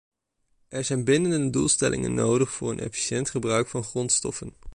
Er zijn bindende doelstellingen nodig voor een efficiënt gebruik van grondstoffen.